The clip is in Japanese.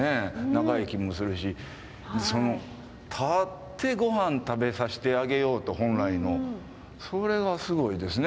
長生きもするし立ってごはん食べさせてあげようと本来のそれがすごいですね。